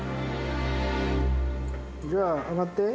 じゃあ上がって。